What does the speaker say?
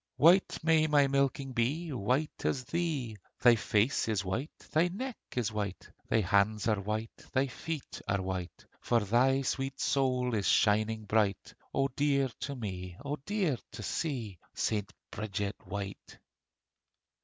White may my milking be, White as thee: Thy face is white, thy neck is white, Thy hands are white, thy feet are white, For thy sweet soul is shining bright O dear to me, O dear to see, St. Bridget white!